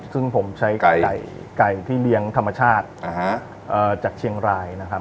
ซึ่งผมใช้ไก่ที่เลี้ยงธรรมชาติจากเชียงรายนะครับ